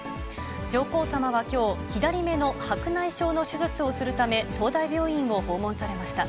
上皇さまはきょう、左目の白内障の手術をするため、東大病院を訪問されました。